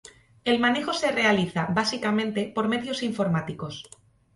El manejo se realiza, básicamente, por medios informáticos.